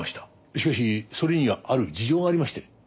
しかしそれにはある事情がありまして。